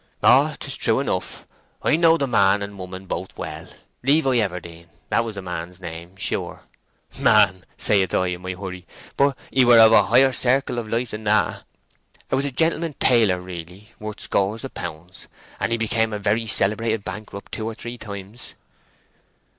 "Oh, 'tis true enough. I knowed the man and woman both well. Levi Everdene—that was the man's name, sure. 'Man,' saith I in my hurry, but he were of a higher circle of life than that—'a was a gentleman tailor really, worth scores of pounds. And he became a very celebrated bankrupt two or three times."